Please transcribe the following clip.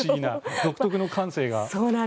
独特の感性が。